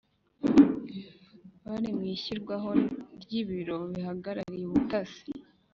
Bari mw’ishyirwaho ry’ ibiro bihagarariye ubutasi